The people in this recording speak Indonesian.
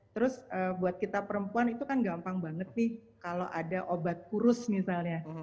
terus buat kita perempuan itu kan gampang banget nih kalau ada obat kurus misalnya